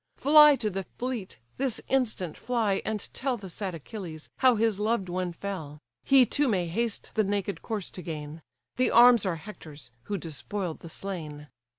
Fly to the fleet, this instant fly, and tell The sad Achilles, how his loved one fell: He too may haste the naked corse to gain: The arms are Hector's, who despoil'd the slain."